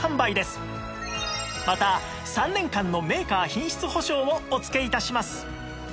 また３年間のメーカー品質保証をお付け致します